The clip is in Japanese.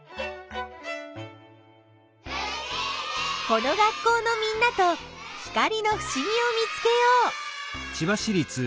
この学校のみんなと光のふしぎを見つけよう！